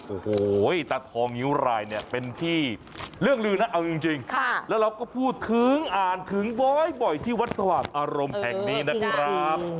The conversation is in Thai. โอ้โหตาทองนิ้วรายเนี่ยเป็นที่เรื่องลือนะเอาจริงแล้วเราก็พูดถึงอ่านถึงบ่อยที่วัดสว่างอารมณ์แห่งนี้นะครับ